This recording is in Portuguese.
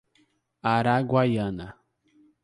Araguaiana